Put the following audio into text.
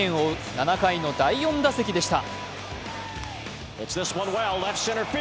７回の第４打席でした。